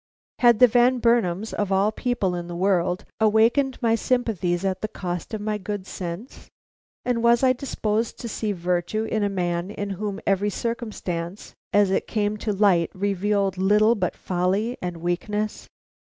Had the Van Burnams, of all people in the world, awakened my sympathies at the cost of my good sense, and was I disposed to see virtue in a man in whom every circumstance as it came to light revealed little but folly and weakness?